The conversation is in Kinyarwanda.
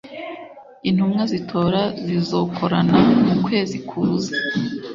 Intumwa z'itora zizokorana mu kwezi kuza